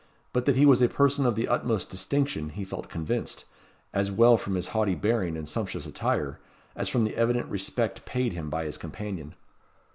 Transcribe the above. But that he was a person of the utmost distinction he felt convinced, as well from his haughty bearing and sumptuous attire, as from the evident respect paid him by his companion.